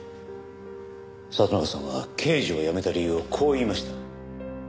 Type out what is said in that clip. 里中さんは刑事を辞めた理由をこう言いました。